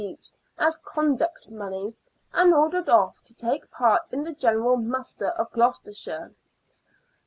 each as " conduct money," and ordered off to take part in the general muster of Gloucestershire.